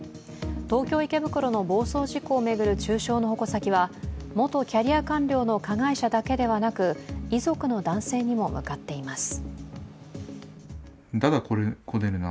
東京・池袋の暴走事故を巡る中小の矛先は元キャリア官僚の加害者だけではなく遺族の男性にも向かっています。